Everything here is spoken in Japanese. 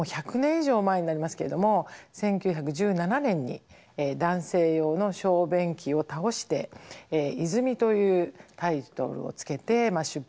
以上前になりますけれども１９１７年に男性用の小便器を倒して「泉」というタイトルをつけて出品しようとしたと。